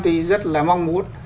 thì rất là mong muốn